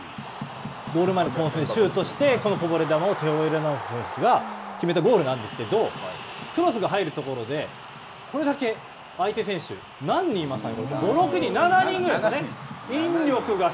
ゴール前の混戦でシュートしてこのこぼれ球をテオ・エルナンデス選手が決めてゴールなんですけどクロスが入るところでこれだけ相手選手が何人いますかね。